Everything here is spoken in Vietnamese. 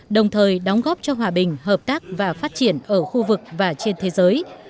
đồng thời đóng góp cho hòa bình hợp tác và phát triển ở khu vực và trên thế giới